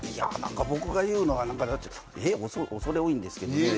僕が言うのは恐れ多いんですけどね。